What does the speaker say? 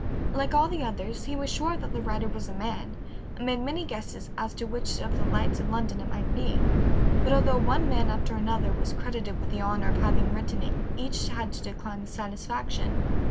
Like all the others he was sure that the writer was a man, and made many guesses as to which of the lights of London it might be, but although one man after another was credited with the honor of having written it each had to decline the satisfaction.